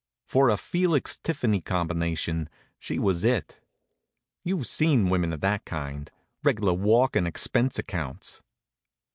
For a Felix Tiffany combination, she was it. You've seen women of that kind reg'lar walkin' expense accounts.